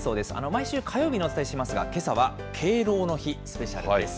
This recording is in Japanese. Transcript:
毎週火曜日にお伝えしていますが、けさは敬老の日スペシャルです。